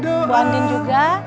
ibu andin juga